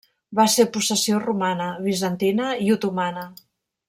Va ser possessió romana, bizantina i otomana.